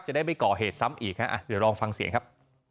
ได้ไม่ก่อเหตุซ้ำอีกฮะเดี๋ยวลองฟังเสียงครับ